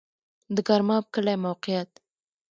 د ګرماب کلی موقعیت